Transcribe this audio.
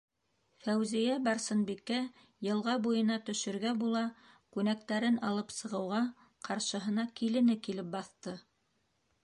Фәүзиә-Барсынбикә йылға буйына төшөргә була күнәктәрен алып сығыуға, ҡаршыһына килене килеп баҫты: